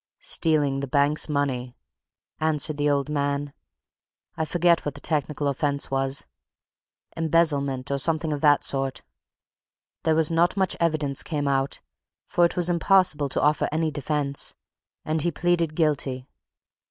"Stealing the bank's money," answered the old man. "I forget what the technical offence was embezzlement, or something of that sort. There was not much evidence came out, for it was impossible to offer any defence, and he pleaded guilty.